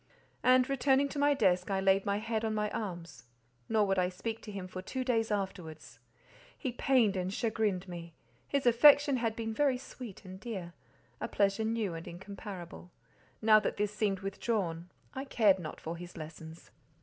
And returning to my desk, I laid my head on my arms, nor would I speak to him for two days afterwards. He pained and chagrined me. His affection had been very sweet and dear—a pleasure new and incomparable: now that this seemed withdrawn, I cared not for his lessons.